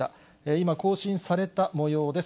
今、更新されたもようです。